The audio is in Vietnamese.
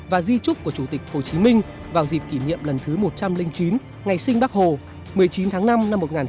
và di trúc của chủ tịch hồ chí minh vào dịp kỷ niệm lần thứ một trăm linh chín ngày sinh bắc hồ một mươi chín tháng năm năm một nghìn chín trăm bốn mươi năm